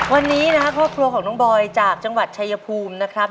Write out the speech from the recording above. วันนี้นะครับครอบครัวของน้องบอยจากจังหวัดชายภูมินะครับ